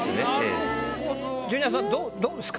ジュニアさんどうですか？